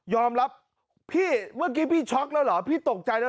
รับพี่เมื่อกี้พี่ช็อกแล้วเหรอพี่ตกใจแล้ว